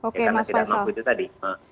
karena tidak mampu itu tadi